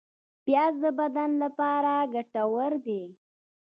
پیاز د بدن لپاره ګټور دی